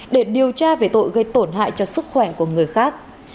để điều tra về tội gây tổn hại cho sức khỏe của người khác